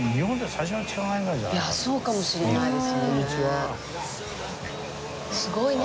いやそうかもしれないですね。